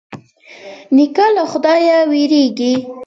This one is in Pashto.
نیکه له خدايه وېرېږي.